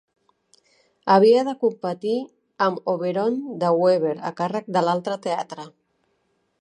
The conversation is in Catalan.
Havia de competir amb "Oberon" de Weber, a càrrec de l'altre teatre.